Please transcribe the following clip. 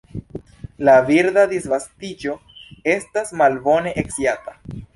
La birda disvastiĝo estas malbone sciata.